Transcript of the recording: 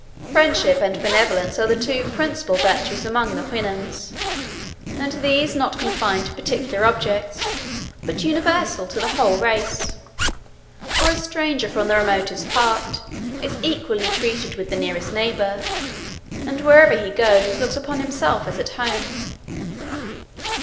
Friendship and benevolence are the two principal virtues among the Houyhnhnms; and these not confined to particular objects, but universal to the whole race; for a stranger from the remotest part is equally treated with the nearest neighbour, and wherever he goes, looks upon himself as at home.